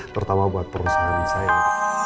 terutama buat perusahaan saya